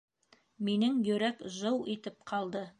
Минең йөрәк жыу итеп ҡалды.